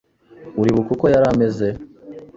Uribuka uko yari ameze?